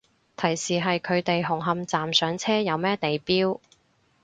提示係佢哋紅磡站上車，有咩地標